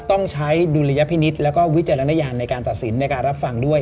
ต้องใช้ดุลยพินิษฐ์แล้วก็วิจารณญาณในการตัดสินในการรับฟังด้วย